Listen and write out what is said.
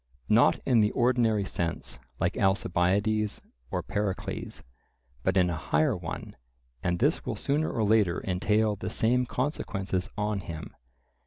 Not in the ordinary sense, like Alcibiades or Pericles, but in a higher one; and this will sooner or later entail the same consequences on him.